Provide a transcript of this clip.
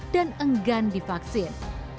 dan enggan divaksin